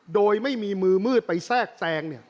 โดยไม่มีมือมืดไปแทรกแทรง